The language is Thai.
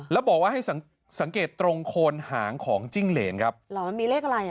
แล้วบอกว่าให้สังสังเกตตรงโคนหางของจิ้งเหรนครับเหรอมันมีเลขอะไรอ่ะ